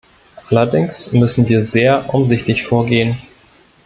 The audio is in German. Allerdings müssen wir sehr umsichtig vorgehen.